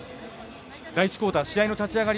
第１クオーター試合の立ち上がり